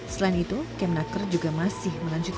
selain itu kemnaker juga masih melanjutkan